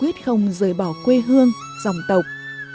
tuyết không rời bỏ quê hương dòng tộc